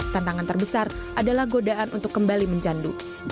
tantangan terbesar adalah godaan untuk kembali mencandu